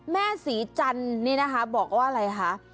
แม่ศรีจันทร์นี่นะคะบอกว่าอะไรคะ